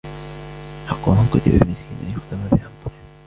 حق من كتب بمسك أن يختم بعنبر.